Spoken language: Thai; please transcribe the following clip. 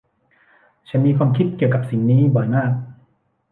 ฉันมีความคิดเกี่ยวกับสิ่งนี้บ่อยมาก